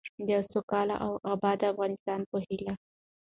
د یوه سوکاله او باادبه افغانستان په هیله.